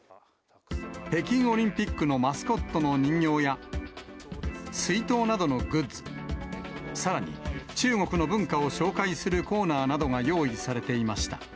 北京オリンピックのマスコットの人形や、水筒などのグッズ、さらに、中国の文化を紹介するコーナーなどが用意されていました。